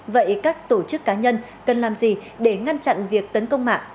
vậy các tổ chức cá nhân cần làm gì để ngăn chặn việc tấn công mạng